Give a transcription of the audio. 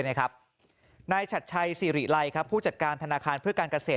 นายชัดชัยสิริไลผู้จัดการธนาคารเพื่อการเกษตร